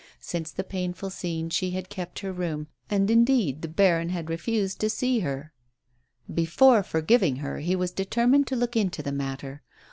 Since the painful scene she had kept her room, and, indeed, the baron had refused to see her. Before forgiving her he was deter MADEMOISELLE FLA VIE. 77 mined to look into the matter.